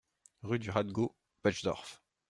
Rue du Hattgau, Betschdorf